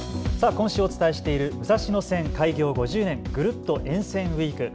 今週お伝えしている武蔵野線開業５０年ぐるっと沿線ウイーク。